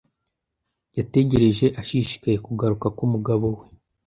Yategereje ashishikaye kugaruka k'umugabo we.